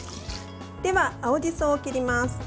では、青じそを切ります。